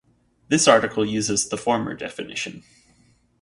This article uses the former definition.